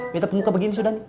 minta muka begini sudah nih